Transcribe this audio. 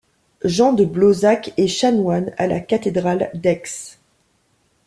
Jean de Blauzac est chanoine à la cathédrale d'Aix.